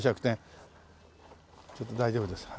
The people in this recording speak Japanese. ちょっと大丈夫ですか？